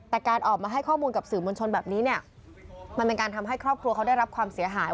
แต่การออกมาให้ข้อมูลกับสื่อมวลชนแบบนี้เนี่ยมันเป็นการทำให้ครอบครัวเขาได้รับความเสียหาย